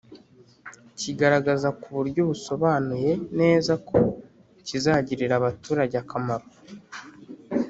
kigaragaza ku buryo busobanuye neza ko kizagirira abaturage akamaro